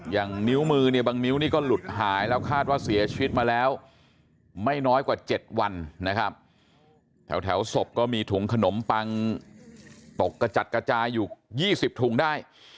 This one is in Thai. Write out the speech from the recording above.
นิ้วมือเนี่ยบางนิ้วนี่ก็หลุดหายแล้วคาดว่าเสียชีวิตมาแล้วไม่น้อยกว่า๗วันนะครับแถวศพก็มีถุงขนมปังตกกระจัดกระจายอยู่๒๐ถุงได้